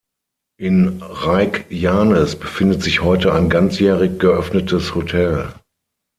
In Reykjanes befindet sich heute ein ganzjährig geöffnetes Hotel.